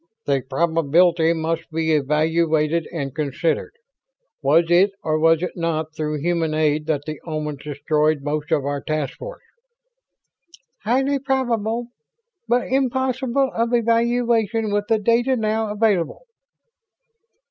"The probability must be evaluated and considered. Was it or was it not through human aid that the Omans destroyed most of our task force?" "Highly probable, but impossible of evaluation with the data now available."